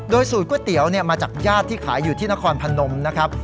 สูตรก๋วยเตี๋ยวมาจากญาติที่ขายอยู่ที่นครพนมนะครับ